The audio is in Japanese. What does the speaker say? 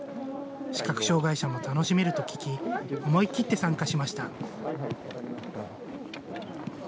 視覚障害者も楽しめると聞き、思い切って参加しました。